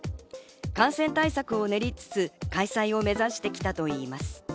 感染対策を練りつつ開催を目指してきたといいます。